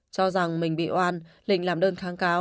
cho rằng mình bị oan linh làm đơn kháng cáo